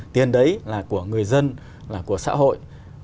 tiền đấy là của người dân là của xã hội